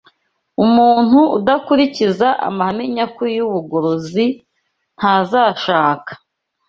Umuntu udakurikiza amahame nyakuri y’ubugorozi ntazashaka